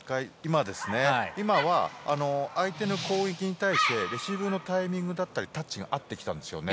今は相手の攻撃に対してレシーブのタイミングだったりタッチが合ってきたんですよね。